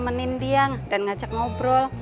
temenin diam dan ngajak ngobrol